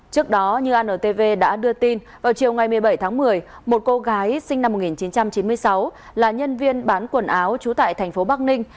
trước đó như antv đã đưa tin vào chiều ngày một mươi bảy tháng một mươi một cô gái sinh năm một nghìn chín trăm chín mươi sáu là nhân viên bán quần áo trú tại thành phố bắc ninh